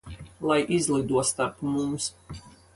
Lai izlido starp mums.